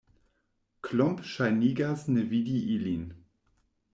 Klomp ŝajnigas ne vidi ilin.